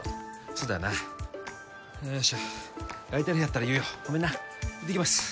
そうだよなよいしょ空いてる日あったら言うよごめんな行ってきます